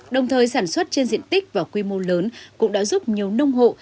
đồng thời sản xuất trên diện tích và quy mô lớn cũng đã giúp nhiều nông hộ